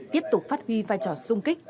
tiếp tục phát huy vai trò sung kích